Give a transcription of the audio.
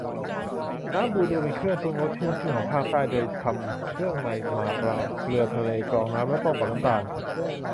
น้ำบูดู เป็นเครื่องปรุงรสขึ้นชื่อของภาคใต้ โดยทำเครื่องในปลามาหมักเกลือทะเล กรองน้ำ แล้วต้มกับน้ำตาล